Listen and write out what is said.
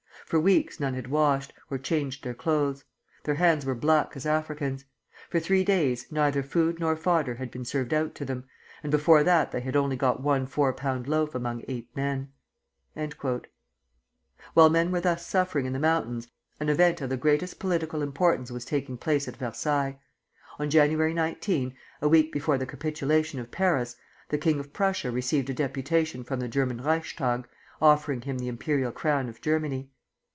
For weeks none had washed, or changed their clothes. Their hands were black as Africans'. For three days neither food nor fodder had been served out to them, and before that they had only got one four pound loaf among eight men." While men were thus suffering in the mountains, an event of the greatest political importance was taking place at Versailles. On January 19, a week before the capitulation of Paris, the king of Prussia received a deputation from the German Reichstag, offering him the imperial crown of Germany.